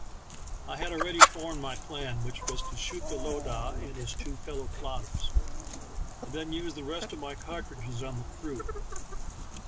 I had already formed my plan, which was to shoot the lowdah and his two fellow plotters, and then UvSe the rest of my cartridges on the crew.